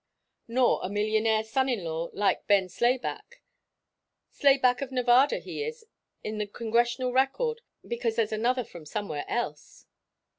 "Nor a millionaire son in law like Ben Slayback, Slayback of Nevada he is, in the Congressional Record, because there's another from somewhere else."